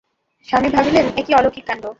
স্বামী ভাবিলেন, এ কী অলৌকিক কাণ্ড!